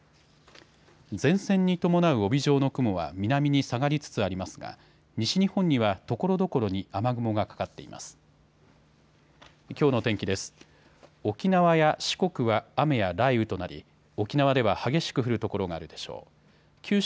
前線に伴う帯状の雲は南に下がりつつありますが西日本にはところどころに雨雲がかかっています。